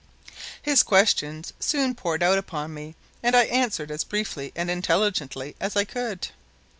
His questions soon poured out upon me and I answered as briefly and intelligently as I could.